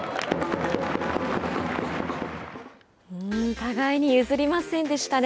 互いに譲りませんでしたね。